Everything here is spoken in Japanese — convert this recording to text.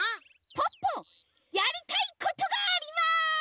ポッポやりたいことがあります！